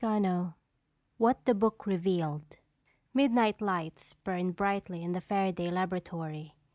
CHAPTER XV What The Book Revealed Midnight lights burned brightly in the Fairaday laboratory.